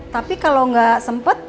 tapi kalo gak sempet